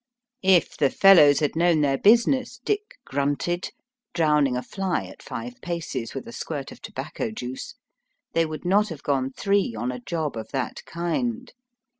If the fellows had known their business, Dick grunted, drowning a fly at five Digitized by VjOOQIC 66 EAST BY WEST. paces with a sqiiirt of tobacco juice, they would not have gone three on a job of that kind.